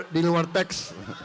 ini di luar teks